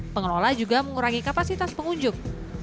pengelola juga mengurangi kapasitas pengunjung